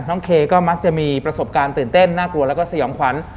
เคก็มักจะมีประสบการณ์ตื่นเต้นน่ากลัวแล้วก็สยองขวัญ